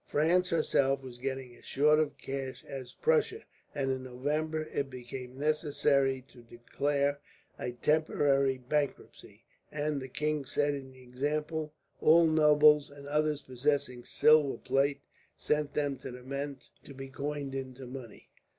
France herself was getting as short of cash as Prussia, and in November it became necessary to declare a temporary bankruptcy and, the king setting the example, all nobles and others possessing silver plate sent them to the mint to be coined into money.